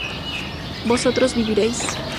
vosotros viviréis